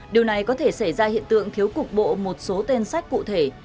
điều này có thể xảy ra hiện tượng thiếu cục bộ một số tên sách cụ thể